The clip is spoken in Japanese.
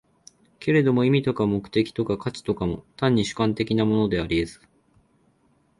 けれども意味とか目的とか価値とかも、単に主観的なものであり得ず、